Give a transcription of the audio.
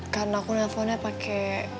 karena aku nelponnya pake